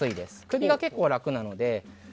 首が結構、楽なので。